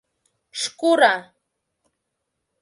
Шкура!